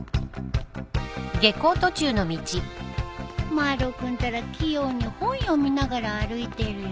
丸尾君ったら器用に本読みながら歩いてるよ。